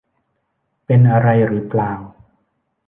เป็นอะไรหรือเปล่า